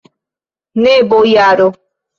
Ne, bojaro.